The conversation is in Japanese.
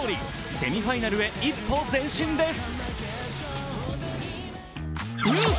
セミファイナルへ一歩前進です。